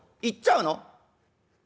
行っちゃうの？